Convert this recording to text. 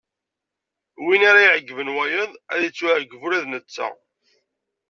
Win ara iɛeggben wayeḍ ad ittuɛeggeb ula d netta.